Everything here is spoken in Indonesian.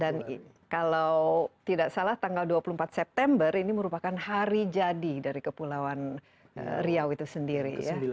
dan kalau tidak salah tanggal dua puluh empat september ini merupakan hari jadi dari kepulauan riau itu sendiri